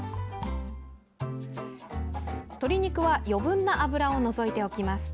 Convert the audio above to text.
鶏肉は余分な脂を除いておきます。